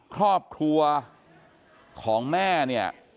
ครอบครัวของแม่เนี่ย